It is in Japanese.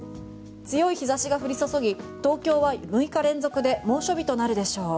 強い日差しが降り注ぎ東京は６日連続で猛暑日となるでしょう。